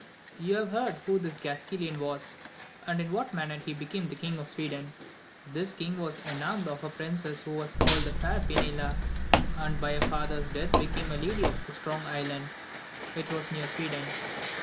|0U have heard who this Gasquilan waSy and in what manner he became King of Sweden. This king was enamoured of a princess who was called the fair Pinela, and by her father's death became Lady of the Strong Island, which was near Sweden.